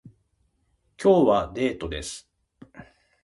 今日はデートです